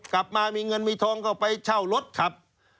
กลับมามีเงินมีทองเข้าไปเช่ารถขับ